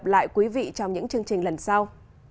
hẹn gặp lại quý vị trong những chương trình lần sau